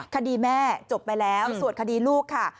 คดีแม่จบไปแล้วส่วนคดีลูกค่ะ